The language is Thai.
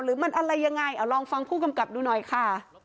หรือมันอะไรยังไงเอาลองฟังผู้กำกับดูหน่อยค่ะ